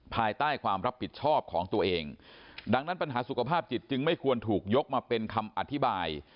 ภายใต้ความรับผิดชอบของตัวเองดังนั้นปัญหาสุขภาพจิตจึงไม่ควรถูกยกมาเป็นคำอธิบาย